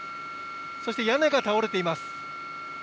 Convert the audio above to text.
そして、屋根が倒れています。